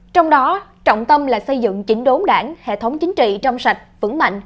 trong đó trọng tâm là xây dựng chỉnh đốn đảng hệ thống chính trị trong sạch vững mạnh